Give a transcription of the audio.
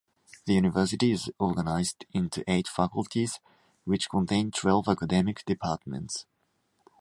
The university is organized into eight faculties which contain twelve academic departments.